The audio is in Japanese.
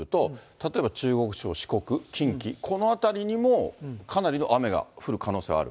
例えば中国地方、四国、近畿、この辺りにもかなりの雨が降る可能性はある？